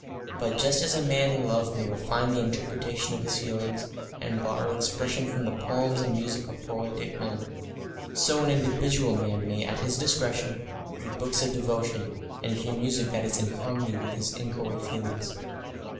But just as a man in love may refine the interpretation of his feelings and borrow expression from the poems and music of poietic men, so an individual man may at his discretion read books of devotion and hear music that is in harmony with his inchoate feelings.